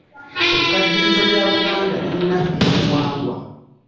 Ekkaddiyizo lya Uganda lirina ebyobuwangwa.